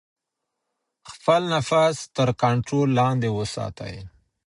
خپل نفس تر کنټرول لاندې وساتئ.